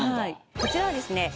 こちらはですね